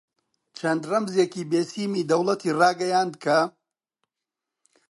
چەند ڕەمزێکی بێسیمی دەوڵەتی ڕاگەیاند کە: